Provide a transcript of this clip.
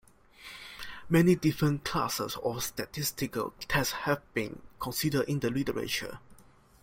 Many different classes of statistical tests have been considered in the literature.